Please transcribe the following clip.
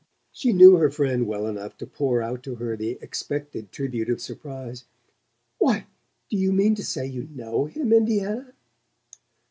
She knew her friend well enough to pour out to her the expected tribute of surprise. "Why, do you mean to say you know him, Indiana?"